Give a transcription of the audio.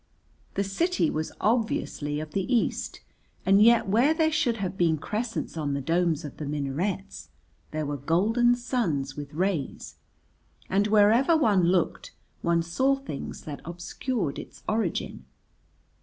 The city was obviously of the East and yet where there should have been crescents on the domes of the minarets there were golden suns with rays, and wherever one looked one saw things that obscured its origin.